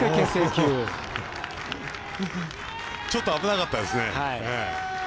ちょっと危なかったですね。